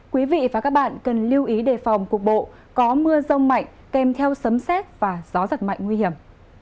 quý vị và các bạn cần lưu ý đề phòng cục bộ có mưa rông mạnh kèm theo sấm xét và gió giật mạnh nguy hiểm